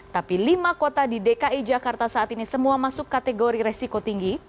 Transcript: tapi lima kota di dki jakarta saat ini semua masuk kategori resiko tinggi